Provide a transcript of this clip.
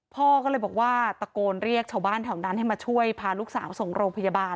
พ่อก็เลยบอกว่าตะโกนเรียกชาวบ้านแถวนั้นให้มาช่วยพาลูกสาวส่งโรงพยาบาล